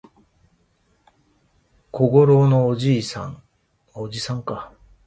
小五郎のおじさん